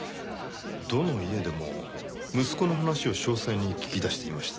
どの家でも息子の話を詳細に聞き出していました。